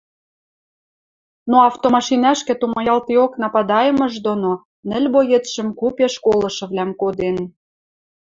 но автомашинӓшкӹ тумаялдеок нападайымыжы доно нӹл боецшӹм купеш колышывлӓм коден.